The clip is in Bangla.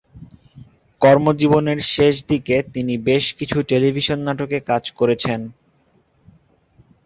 কর্মজীবনের শেষ দিকে তিনি বেশ কিছু টেলিভিশন নাটকে কাজ করেছেন।